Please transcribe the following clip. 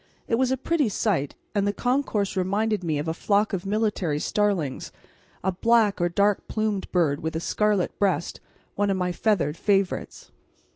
It was a pretty sight, and the concourse reminded me of a flock of military starlings, a black or dark plumaged bird with a scarlet breast, one of my feathered favourites.